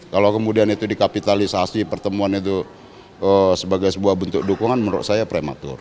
kalau kemudian itu dikapitalisasi pertemuan itu sebagai sebuah bentuk dukungan menurut saya prematur